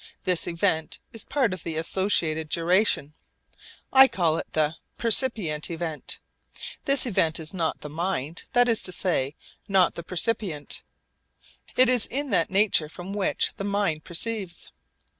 This event is part of the associated duration. I call it the 'percipient event.' This event is not the mind, that is to say, not the percipient. It is that in nature from which the mind perceives.